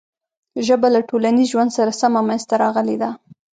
ژبه له ټولنیز ژوند سره سمه منځ ته راغلې ده.